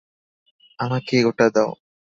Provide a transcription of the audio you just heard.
আমাকে ওটা দাও।